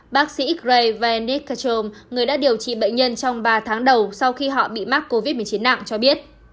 bác sĩ greenis cachrom người đã điều trị bệnh nhân trong ba tháng đầu sau khi họ bị mắc covid một mươi chín nặng cho biết